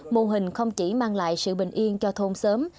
mô hình không chỉ mang lại sự bình yên cho thôn sớm